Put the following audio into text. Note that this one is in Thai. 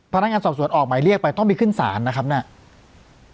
พนักงานสอบสวนออกหมายเรียกไปต้องไปขึ้นศาลนะครับเนี่ย